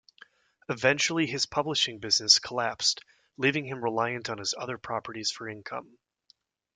Eventually, his publishing business collapsed, leaving him reliant on his other properties for income.